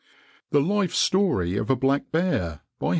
] THE LIFE STORY OF A BLACK BEAR BY H.